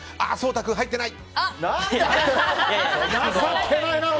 颯太君、入ってない。